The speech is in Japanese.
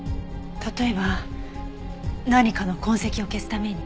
例えば何かの痕跡を消すために。